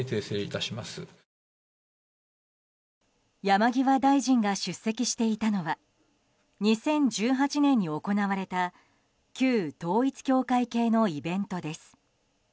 山際大臣が出席していたのは２０１８年に行われた旧統一教会系のイベントです。